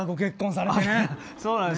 そうなんです。